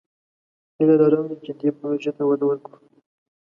هیله لرم چې دې پروژې ته وده ورکړو.